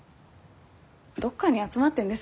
どっかに集まってんですかね？